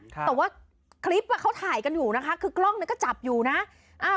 แต่ว่าคลิปเขาถ่ายกันอยู่นะคะคือกล้องก็จับอยู่นะ